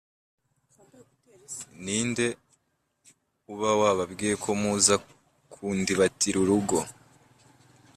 ni nde uba wababwiye ko muza kundibatira urugo?